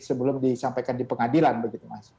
sebelum disampaikan di pengadilan begitu mas